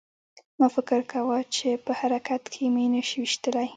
ما فکر کاوه چې په حرکت کې مې نشي ویشتلی